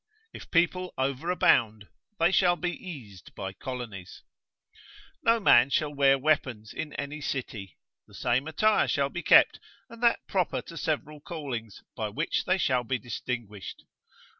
If people overabound, they shall be eased by colonies. No man shall wear weapons in any city. The same attire shall be kept, and that proper to several callings, by which they shall be distinguished.